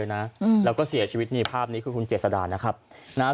นะอืมแล้วก็เสียชีวิตนี่ภาพนี้คือคุณเจษดานะครับนะฮะ